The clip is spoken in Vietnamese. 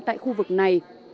tại khu vực này